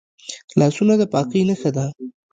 لاسونه د پاکۍ نښه ده